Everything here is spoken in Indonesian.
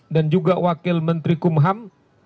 dan juga wakil menteri kumham